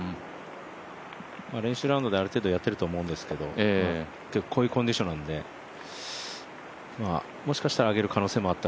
練習ラウンドである程度やってるとは思うんですけど、こういうコンディションなので、もしかしたら上げる可能性があった